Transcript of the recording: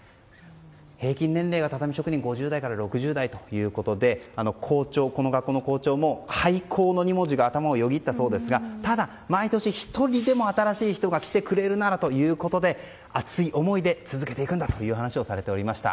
平均年齢が畳職人は５０代から６０代ということでこの学校の校長も廃校の２文字が頭をよぎったそうですがただ、毎年１人でも新しい人が来てくれるならということで熱い思いで続けていくんだという話をしていました。